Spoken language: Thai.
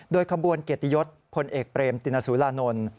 ด้วยขบวนเกตยศพลเอกเบรมตินสุรานนท์